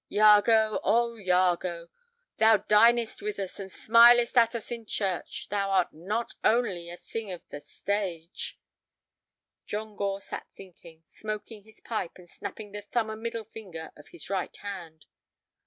Iago, oh Iago, thou dinest with us and smilest at us in church, thou art not only a thing of the stage!" John Gore sat thinking, smoking his pipe, and snapping the thumb and middle finger of his right hand.